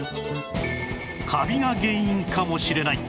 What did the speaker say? カビが原因かもしれない